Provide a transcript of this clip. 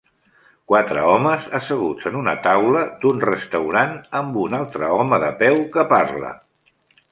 Quatre homes asseguts en una taula d'un restaurant amb un altre home de peu que parla.